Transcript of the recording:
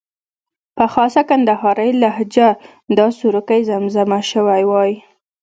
په خاصه کندارۍ لهجه دا سروکی زمزمه شوی وای.